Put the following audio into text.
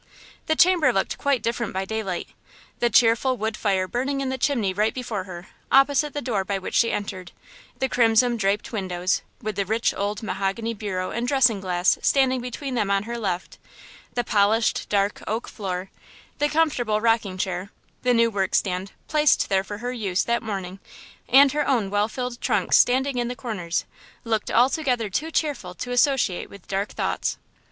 The chamber looked quite different by daylight–the cheerful wood fire burning in the chimney right before her, opposite the door by which she entered; the crimson draped windows, with the rich, old mahogany bureau and dressing glass standing between them on her left; the polished, dark oak floor; the comfortable rocking chair; the new work stand, placed there for her use that morning and her own well filled trunks standing in the corners, looked altogether too cheerful to associate with dark thoughts.